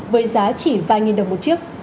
với giá chỉ vài nghìn đồng một chiếc